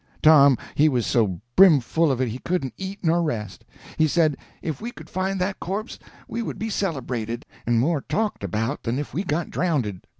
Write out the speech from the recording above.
Tom he was so brimful of it he couldn't eat nor rest. He said if we could find that corpse we would be celebrated, and more talked about than if we got drownded.